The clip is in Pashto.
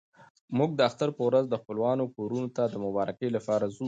موږ د اختر په ورځ د خپلوانو کورونو ته د مبارکۍ لپاره ځو.